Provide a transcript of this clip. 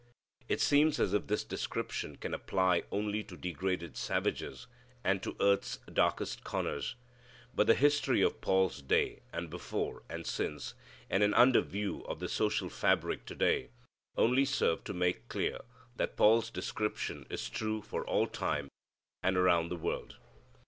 It seems as if this description can apply only to degraded savages and to earth's darkest corners. But the history of Paul's day, and before, and since, and an under view of the social fabric to day, only serve to make clear that Paul's description is true for all time, and around the world.